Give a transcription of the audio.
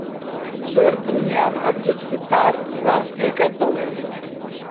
زۆر دڵنیام عەبدولستار ڕاستییەکە دەڵێت.